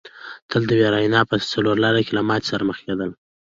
تل د وېرونا په څلور لاره کې له ماتې سره مخ کېدل.